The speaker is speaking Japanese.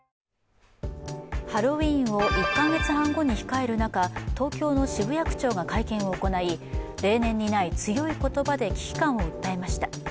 ハロウィーンを１か月半後に控える中、東京の渋谷区長が会見を行い例年にない強い言葉で危機感を訴えました。